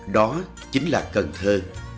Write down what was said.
đó chính là cần thơ